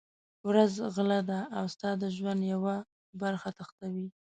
ورځ غله ده او ستا د ژوند یوه برخه تښتوي.